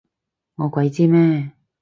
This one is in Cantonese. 我鬼知咩？